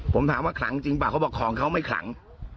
ผมถามว่าขลังจริงเปล่าเขาบอกของเขาไม่ขลัง